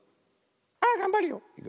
ああがんばるよ。